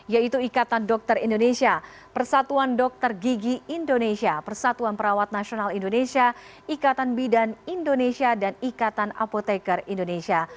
yaitu ikatan dokter indonesia persatuan dokter gigi indonesia persatuan perawat nasional indonesia ikatan bidan indonesia dan ikatan apoteker indonesia